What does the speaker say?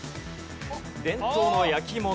伝統の焼き物。